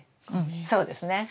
うんそうですね。